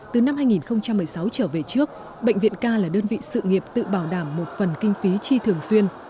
từ năm hai nghìn một mươi sáu trở về trước bệnh viện k là đơn vị sự nghiệp tự bảo đảm một phần kinh phí chi thường xuyên